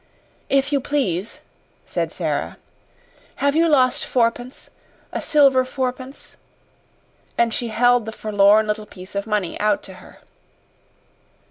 "If you please," said Sara, "have you lost fourpence a silver fourpence?" And she held the forlorn little piece of money out to her.